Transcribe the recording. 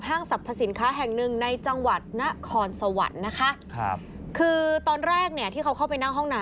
ครับสักพักนึงหัวใครอ่ะ